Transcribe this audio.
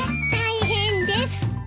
大変です。